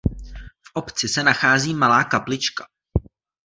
V obci se nachází malá kaplička.